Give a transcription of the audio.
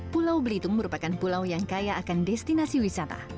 pulau belitung merupakan pulau yang kaya akan destinasi wisata